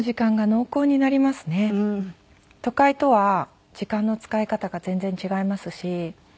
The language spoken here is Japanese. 都会とは時間の使い方が全然違いますし。